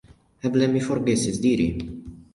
Eble mi forgesis diri.